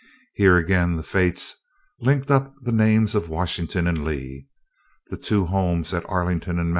Here again the fates linked up the names of Washington and Lee. The two homes at Arlington and Mt.